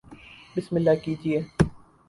بسم اللہ کیجئے